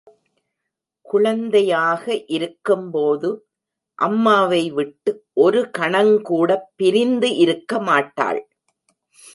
குழந்தையாக இருக்கும்போது அம்மாவை விட்டு ஒருகணங்கூடப் பிரிந்து இருக்க மாட்டாள்.